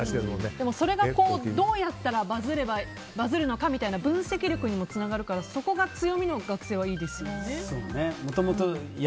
でもそれが今後どうやったらバズるのかみたいな分析力にもつながるからそこが強みの学生はいいですね。